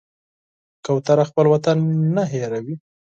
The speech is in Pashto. کوتره خپل وطن نه هېروي.